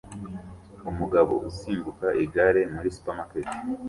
Umugabo usimbuka igare muri supermarket